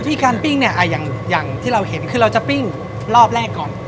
ที่การปิ้งเนี่ยอย่างที่เราเห็นคือเราจะปิ้งรอบแรกก่อน